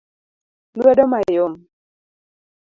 lwedo mayom